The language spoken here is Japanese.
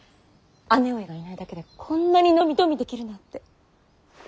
姉上がいないだけでこんなに伸び伸びできるなんて。